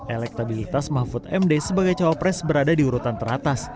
elektabilitas mahfud md sebagai cawapres berada di urutan teratas